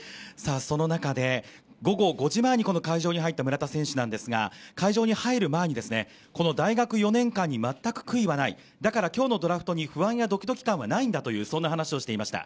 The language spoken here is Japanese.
その中で、午後５時前にこの会場に入った村田選手なんですが会場に入る前に、大学４年間に全く悔いはないだから今日のドラフトに不安やドキドキ感はないんだと、そんな話をしていました。